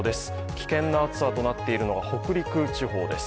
危険な暑さとなっているのが北陸地方です。